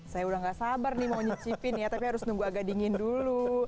saya udah gak sabar nih mau nyicipin ya tapi harus nunggu agak dingin dulu